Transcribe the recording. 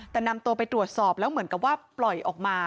แต่นำตัวไปตรวจสอบแล้วเหมือนกับว่าปล่อยออกมา